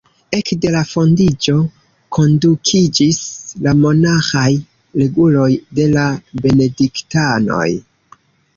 Ekde la fondiĝo enkondukiĝis la monaĥaj reguloj de la benediktanoj.